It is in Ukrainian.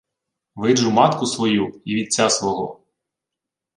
— Виджу матку свою й вітця свого.